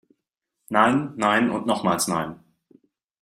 Nein, nein und nochmals nein!